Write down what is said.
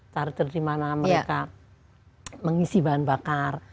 charger dimana mereka mengisi bahan bakar